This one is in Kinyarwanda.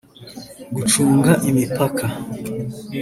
gucunga imipaka